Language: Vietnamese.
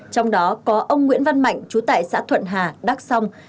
trong đó có ông nguyễn văn mạnh chú tại xã thuận hà đắc song